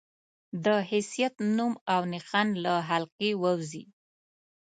د حيثيت، نوم او نښان له حلقې ووځي